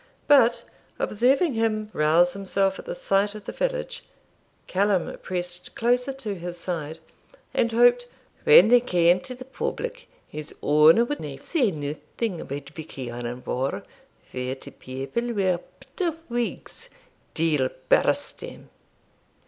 But observing him rouse himself at the sight of the village, Callum pressed closer to his side, and hoped 'when they cam to the public, his honour wad not say nothing about Vich Ian Vohr, for ta people were bitter Whigs, deil burst tem.'